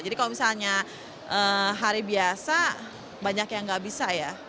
jadi kalau misalnya hari biasa banyak yang gak bisa ya